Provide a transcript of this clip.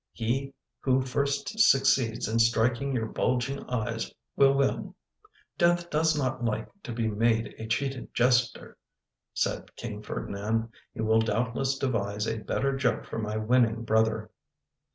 He who first succeeds in striking your bulging eyes, will win." 11 Death does not like to be made a cheated jester," said King Ferdinand. " He will doubtless devise a better joke for my winning brother."